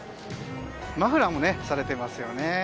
マフラーもされていますね。